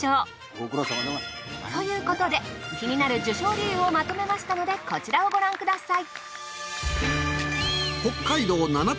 ご苦労さまでございます。ということで気になる受賞理由をまとめましたのでこちらをご覧ください